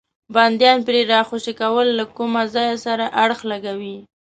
بندیان پرې راخوشي کول له کوم ځای سره اړخ لګوي.